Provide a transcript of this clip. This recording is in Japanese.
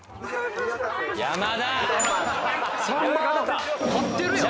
山田３番買ってるやん